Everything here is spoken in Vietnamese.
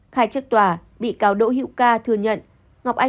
khai trước tòa bị cáo đỗ hữu ca thừa nhận